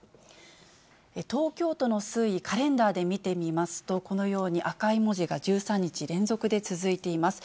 東京都の推移、カレンダーで見てみますと、このように赤い文字が１３日連続で続いています。